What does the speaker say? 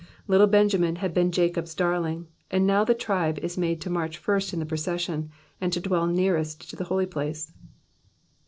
Little Benjamin had been Jacob's darling, and now the tribe is mode to march flrst in the procession, and to dwell nearest to the holy place.